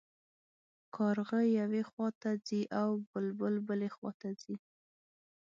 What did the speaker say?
کارغه یوې خوا ته ځي او بلبل بلې خوا ته ځي.